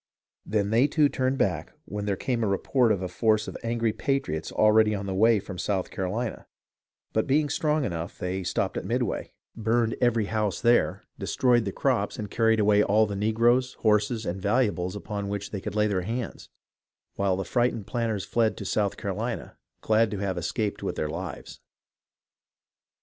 Then they too turned back when there came a report of a force of angry patriots already on the way from South Carolina; but being strong enough, THE STRUGGLE IN THE SOUTH 319 they stopped at Midway, burned every house there, de stroyed the crops, and carried away all the negroes, horses, and valuables upon which they could lay their hands, while the frightened planters fled to South Carolina, glad to have escaped with their lives.